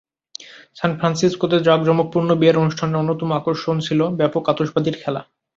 সান ফ্রান্সিসকোতে জাঁকজমকপূর্ণ বিয়ের অনুষ্ঠানের অন্যতম আকর্ষণ ছিল ব্যাপক আতশবাজির খেলা।